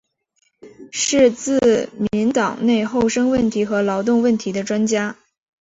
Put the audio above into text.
是自民党内厚生问题和劳动问题的专家。